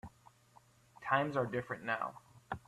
Times are different now.